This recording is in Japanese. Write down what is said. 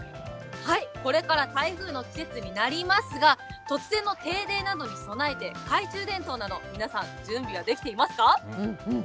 これから台風の季節になりますが、突然の停電などに備えて、懐中電灯など、皆さん、準備はできていますか。